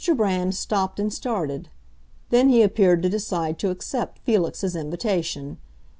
Brand stopped and started; then he appeared to decide to accept Felix's invitation.